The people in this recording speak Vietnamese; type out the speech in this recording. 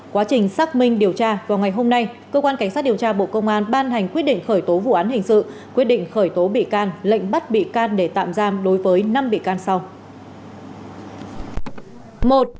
quá trình xác minh điều tra vào ngày hôm nay cơ quan cảnh sát điều tra bộ công an ban hành quyết định khởi tố vụ án hình sự quyết định khởi tố bị can lệnh bắt bị can để tạm giam đối với năm bị can sau